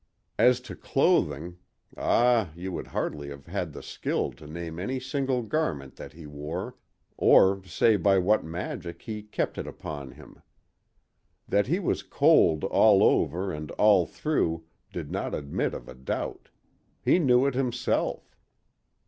As to clothing—ah, you would hardly have had the skill to name any single garment that he wore, or say by what magic he kept it upon him. That he was cold all over and all through did not admit of a doubt; he knew it himself.